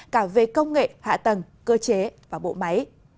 cả về công nghệ hạ tầng cơ chế và bộ máy